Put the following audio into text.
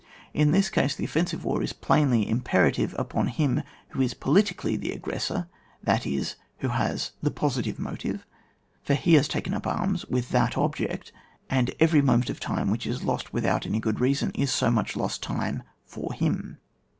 In this case, the offensive war is plainly imperative upon him who is politically the aggressor, that is, who has the positive motive ; for he has taken up arms with that object, and every moment of time which is lost with out any good reason, is so much lost time far him.